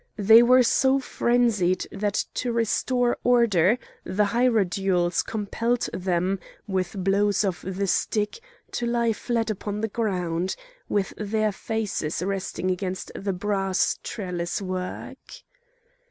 They were so frenzied that to restore order the hierodules compelled them, with blows of the stick, to lie flat upon the ground, with their faces resting against the brass trellis work.